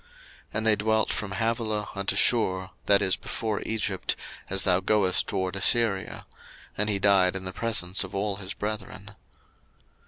01:025:018 And they dwelt from Havilah unto Shur, that is before Egypt, as thou goest toward Assyria: and he died in the presence of all his brethren.